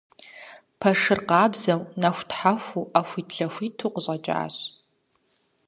Пэшыр къабзэу нэхутхьэхуу Ӏэхуитлъэхуиту къыщӀэкӀащ.